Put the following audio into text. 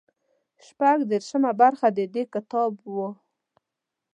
شپږ دېرشمه برخه د دې کتاب وو.